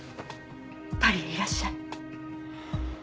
パリへいらっしゃい。